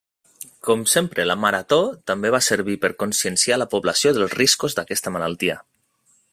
Com sempre la Marató també va servir per conscienciar la població dels riscos d'aquesta malaltia.